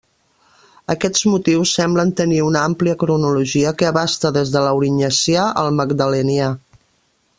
Aquests motius semblen tenir una àmplia cronologia que abasta des de l'Aurinyacià al Magdalenià.